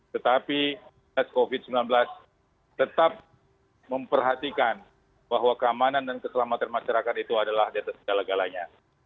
tetapi covid sembilan belas tetap memperhatikan bahwa keamanan dan keselamatan masyarakat itu adalah di atas segala galanya